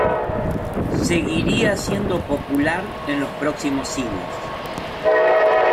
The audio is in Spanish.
Seguiría siendo popular en los próximos siglos.